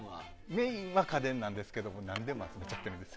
メインは家電なんですけど何でも集めちゃってます。